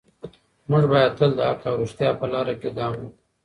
موږ باید تل د حق او ریښتیا په لاره کې ګام واخلو.